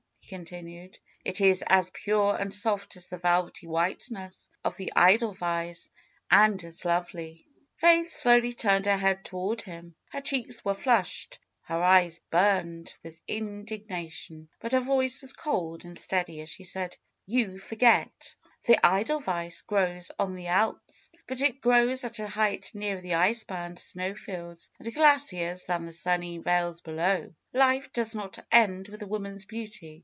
he continued. 'Ht is as pure and soft as the velvety whiteness of the Edelweiss and as lovely." Faith slowly turned her head toward him, her cheeks FAITH 263 were flushed, her eyes burned with indignation; but her voice was cold and steady as she said : ^^You forget ! The Edelweiss grows on the Alps. But it grows at a height nearer the icebound snowfields and glaciers than the sunny vales below. life does not end with a woman's beauty.